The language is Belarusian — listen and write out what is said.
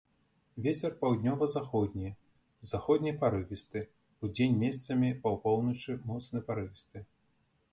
Вецер паўднёва-заходні, заходні парывісты, удзень месцамі па поўначы моцны парывісты.